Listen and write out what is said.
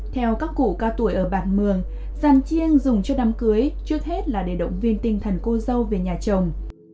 theo các cụ cao tuổi ở bản mường giàn chiêng dùng cho đám cưới trước hết là để động viên tinh thần cô dâu về nhà chồng